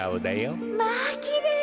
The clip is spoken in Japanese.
まあきれい。